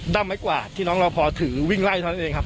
ด้ามไม้กวาดที่น้องเราพอถือวิ่งไล่เราเองครับ